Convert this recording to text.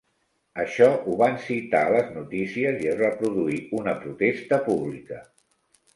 Això ho van citar a les notícies i es va produir una protesta pública.